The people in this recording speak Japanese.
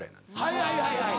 はいはいはいはい。